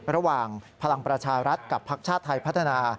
ระหว่างพลังประชารัฐกับภักดิ์ชาติไทยพัฒนา